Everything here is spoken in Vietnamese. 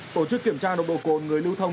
tổ chức kiểm tra nồng độ cồn người lưu thông